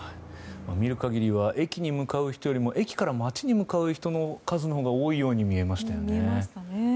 見る限りは駅に向かう人よりも駅から街に向かう人の数のほうが多いように見えましたよね。